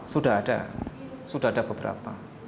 sudah ada sudah ada beberapa